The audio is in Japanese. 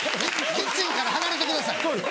キッチンから離れてください。